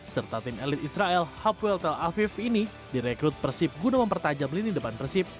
serta tim elit israel hapuel tel aviv ini direkrut persib guna mempertajam lini depan persib